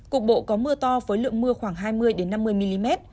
cục bộ có mưa to với lượng mưa khoảng hai mươi năm mươi mm